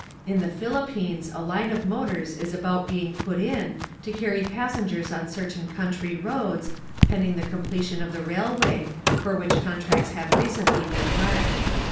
In the Philippines a line of motors is about being put in to carry passengers on cer tain country roads, pending the comple tion of the railway, for which contracts have recently been let.